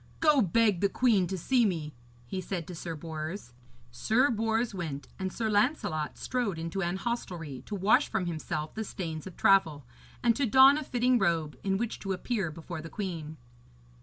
'Go beg the queen to see me,' he said to Sir Bors. Sir Bors went, and Sir Lancelot strode unto an hostelry to wash from himself the stains of travel, and to don a fitting robe in which to appear before the queen.